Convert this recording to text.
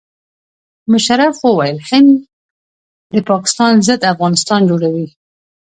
مشرف وویل هند د پاکستان ضد افغانستان جوړوي.